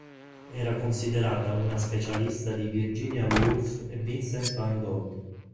Era considerata una specialista di Virginia Woolf e Vincent van Gogh.